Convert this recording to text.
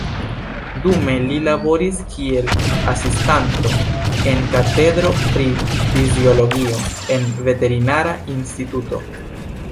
Dume li laboris kiel asistanto en katedro pri fiziologio en veterinara instituto.